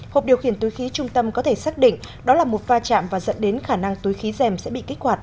hộp điều khiển túi khí trung tâm có thể xác định đó là một va chạm và dẫn đến khả năng túi khí dèm sẽ bị kích hoạt